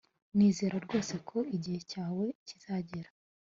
Nizera rwose ko igihe cyawe kizagera